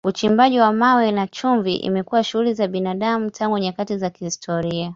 Uchimbaji wa mawe na chuma imekuwa shughuli za binadamu tangu nyakati za kihistoria.